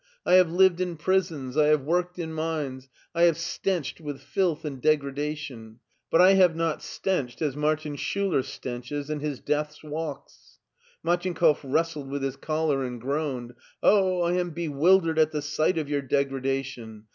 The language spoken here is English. I have lived in prisons, I have worked in mines, I have stenched with filth and degra dation, but I have not/ stenched as Martin Schuler stenches in his death's walks." Machinkoft wrestled with his collar and groaned. " Oh, I am bewildered at the sight of your degradation!